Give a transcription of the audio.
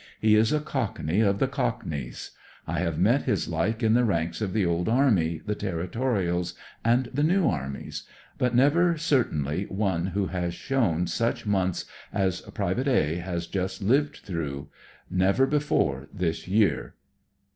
He is a Cockney of the Cockneys. I have met his like in the ranks of the old Army, the Territorials, and the New Armies; but never, certainly, one who has known such months as Pte. A has just Uved through ; never before this year.